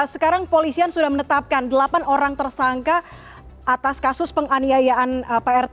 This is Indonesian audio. sekarang polisian sudah menetapkan delapan orang tersangka atas kasus penganiayaan prt